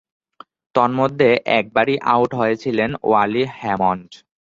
তন্মধ্যে একবারই আউট হয়েছিলেন ওয়ালি হ্যামন্ড।